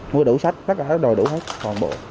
mua đủ sách tất cả đồ đủ hết toàn bộ